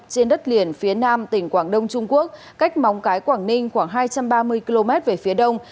trên đất liền phía nam tỉnh quảng đông trung quốc cách móng cái quảng ninh khoảng hai trăm ba mươi km về phía đông